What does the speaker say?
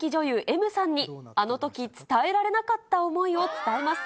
Ｍさんにあのとき伝えられなかった思いを伝えます。